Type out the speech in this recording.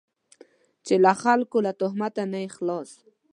چې له خلکو له تهمته نه یې خلاص.